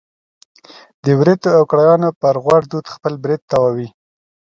د وریتو او کړایانو پر غوړ دود خپل برېت تاووي.